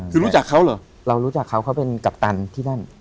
คือรู้จักเขาเหรอเรารู้จักเขาเขาเป็นกัปตันที่นั่น